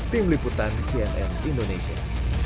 tim liputan cnn indonesia